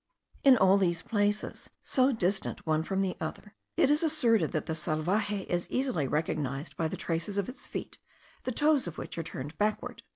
In all these places, so distant one from the other, it is asserted that the salvaje is easily recognized by the traces of its feet, the toes of which are turned backward.